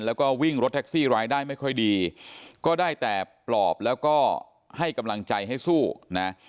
แล้วก็วิ่งรถแท็กซี่รายได้ไม่ค่อยดีก็ได้แต่ปลอบแล้วก็ให้กำลังใจให้สู้นะ